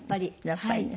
やっぱりね。